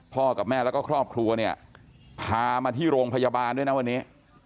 กับแม่แล้วก็ครอบครัวเนี่ยพามาที่โรงพยาบาลด้วยนะวันนี้